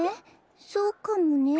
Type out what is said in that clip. そうかもね。